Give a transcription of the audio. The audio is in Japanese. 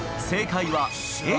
正解はＡ。